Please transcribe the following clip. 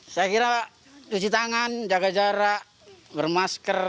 saya kira cuci tangan jaga jarak bermasker